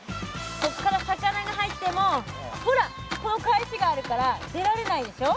こっから魚が入ってもほらこの返しがあるから出られないでしょ。